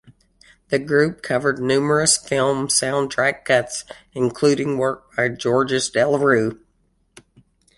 The group covered numerous film soundtrack cuts, including work by Georges Delerue.